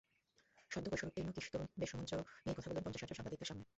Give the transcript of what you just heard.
সদ্য কৈশোরোত্তীর্ণ তরুণ বেশ রোমাঞ্চ নিয়েই কথা বললেন পঞ্চাশ-ষাটজন সাংবাদিকের সামনে।